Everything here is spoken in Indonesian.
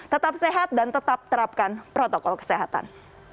tetap sehat dan tetap terapkan protokol kesehatan